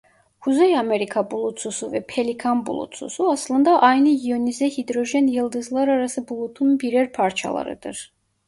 Kuzey Amerika Bulutsusu ve Pelikan Bulutsusu aslında aynı iyonize hidrojen yıldızlararası bulutun birer parçalarıdır.